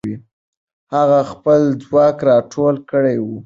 هغه خپل ځواک راټول کړی وو.